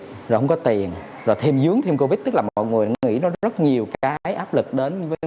rồi không có tiền rồi thêm dướng thêm covid tức là mọi người nghĩ nó rất nhiều cái áp lực đến với